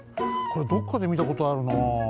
これどっかでみたことあるなあ。